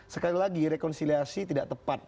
sekali lagi rekonsiliasi tidak tepat